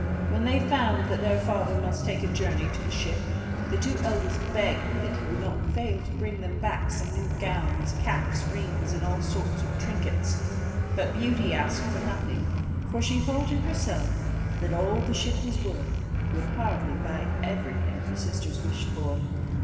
When they found that their father must take a journey to the ship, the two eldest begged he would not fail to bring them back some new gowns, caps, rings, and all sorts of trinkets. But Beauty asked for nothing; for she thought in herself that all the ship was worth would hardly buy everything her sisters wished for.